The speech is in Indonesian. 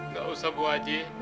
gak usah bu haji